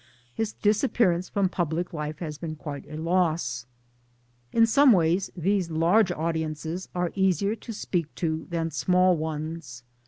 His disappearance from public life has been quite a loss. In some ways these large audiences are easier to speak to than small ones.